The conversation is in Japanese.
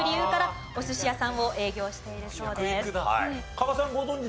加賀さんご存じでした？